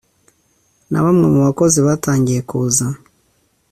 na bamwe mu bakozi batangiye kuza